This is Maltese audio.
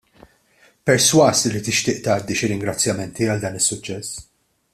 Persważ li tixtieq tgħaddi xi ringrazzjamenti għal dan is-suċċess.